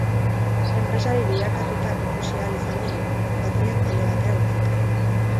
Enpresari bilakatuta ikusi ahal izango dugu, zapatilak alde batera utzita.